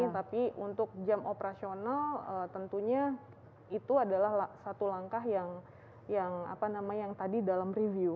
tapi untuk jam operasional tentunya itu adalah satu langkah yang tadi dalam review